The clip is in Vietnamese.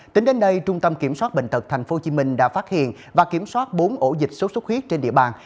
tính đến đây trung tâm kiểm soát bệnh tật tp hcm đã phát hiện và kiểm soát bốn ổ dịch sốt xuất huyết trên địa bàn